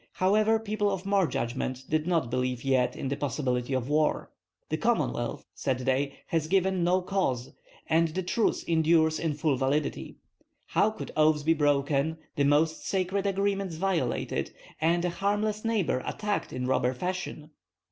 However people of more judgment did not believe yet in the possibility of war. "The Commonwealth," said they, "has given no cause, and the truce endures in full validity. How could oaths be broken, the most sacred agreements violated, and a harmless neighbor attacked in robber fashion?